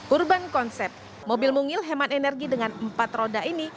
urban concept mobil mungil hemat energi dengan empat roda ini